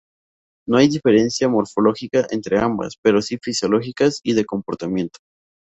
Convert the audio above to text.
No hay gran diferencia morfológica entre ambas, pero sí fisiológicas y de comportamiento.